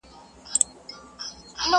پرېږده جهاني دا د نیکه او د اباکیسې!